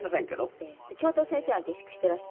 教頭先生が下宿していらした。